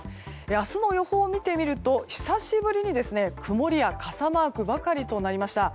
明日の予報を見てみると久しぶりに曇りや傘マークばかりとなりました。